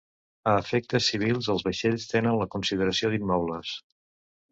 A efectes civils els vaixells tenen la consideració d'immobles.